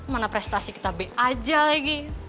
mana prestasi kita b aja lagi